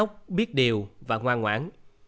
một đứa nhóc biết điều và ngoan ngoãn